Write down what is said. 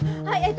はい。